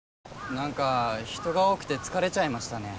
なんか人が多くて疲れちゃいましたね